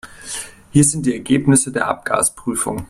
Hier sind die Ergebnisse der Abgasprüfung.